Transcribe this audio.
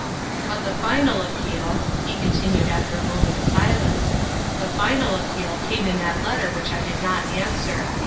" But the final appeal," he continued after a moment's silence, "the final appeal came in that letter which I did not answer.